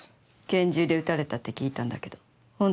拳銃で撃たれたって聞いたんだけど本当なの？